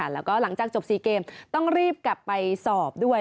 แล้วก็หลังจากจบ๔เกมต้องรีบกลับไปสอบด้วย